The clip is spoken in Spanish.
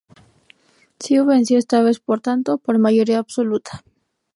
CiU venció esta vez, por tanto, por mayoría absoluta.